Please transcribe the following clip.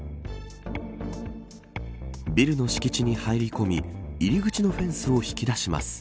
ビルの敷地に入り込み入り口のフェンスを引き出します。